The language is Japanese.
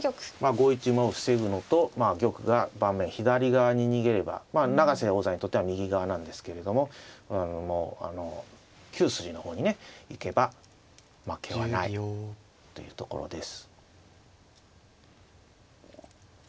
５一馬を防ぐのと玉が盤面左側に逃げれば永瀬王座にとっては右側なんですけれどももう９筋の方にね行けば負けはないというところです。